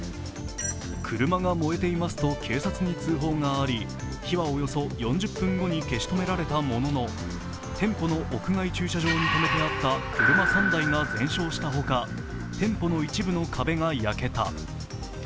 車が燃えていますと警察に通報があり、火はおよそ４０分後に消し止められたものの、店舗の屋外駐車場に止めてあった車３台が全焼したほか、店舗の一部の壁が焼けた。